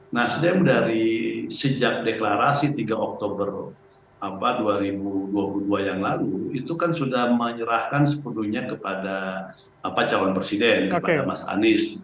nasdem dari sejak deklarasi tiga oktober dua ribu dua puluh dua yang lalu itu kan sudah menyerahkan sepenuhnya kepada calon presiden kepada mas anies